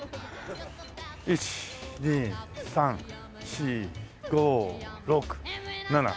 １２３４５６７。